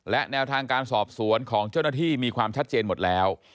และแนวทางการสอบสวนของเจ้าหน้าที่มีความชัดเจนหมดแล้ว